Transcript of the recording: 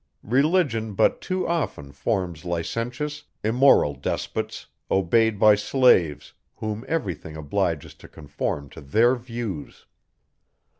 Religion but too often forms licentious, immoral despots, obeyed by slaves, whom every thing obliges to conform to their views.